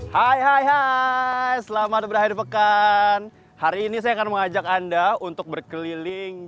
hai hai hai selamat berhari pekan hari ini saya akan mengajak anda untuk berkeliling